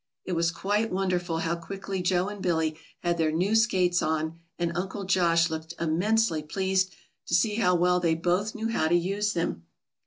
It was quite wonderful how quickly Joe and Billy had their new skates on, and Uncle Josh looked immensely pleased to see how well they both knew how to use them.